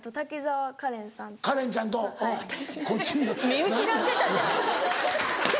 見失ってたじゃない。